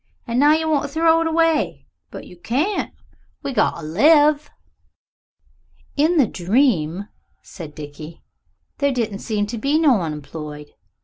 And now you want to throw it away. But you can't. We got to live." "In the dream," said Dickie, "there didn't seem to be no unemployed.